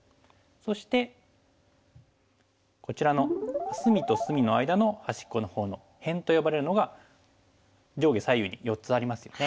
そしてこちらの隅と隅の間の端っこの方の「辺」と呼ばれるのが上下左右に４つありますよね。